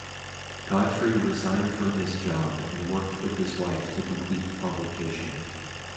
Godfrey resigned from his job, and worked with his wife to complete the publication.